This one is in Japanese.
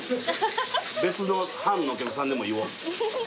別の班のお客さんでも言おう。